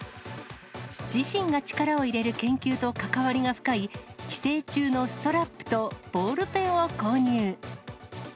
自身が力を入れる研究と関わりが深い、寄生虫のストラップとボールペンを購入。